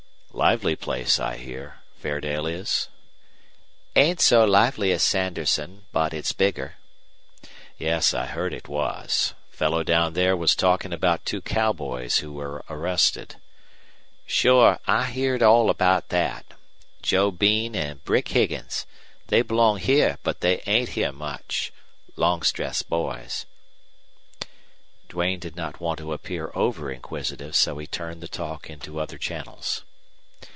"Lively place, I hear Fairdale is?" "Ain't so lively as Sanderson, but it's bigger." "Yes, I heard it was. Fellow down there was talking about two cowboys who were arrested." "Sure. I heered all about that. Joe Bean an' Brick Higgins they belong heah, but they ain't heah much. Longstreth's boys." Duane did not want to appear over inquisitive, so he turned the talk into other channels.